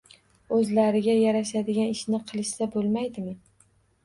O’zlariga yarashadigan ishni qilishsa bo’lmaydimi